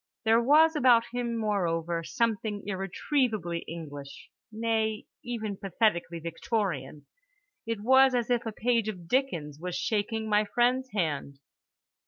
There was about him, moreover, something irretrievably English, nay even pathetically Victorian—it was as if a page of Dickens was shaking my friend's hand.